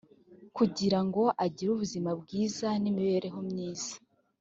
kugira ngo agire ubuzima bwiza n’imibereho myiza